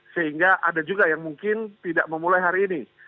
sehingga ada juga yang mungkin tidak memulai hari ini